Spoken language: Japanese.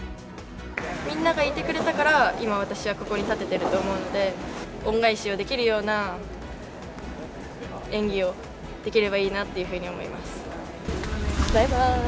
みんながいてくれたから、今、私はここに立ててると思うんで、恩返しができるような、演技をできればいいなっていうふうに思います。